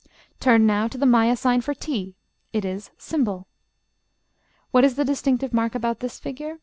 Turn now to the Maya sign for t: it is ###,. What is the distinctive mark about this figure?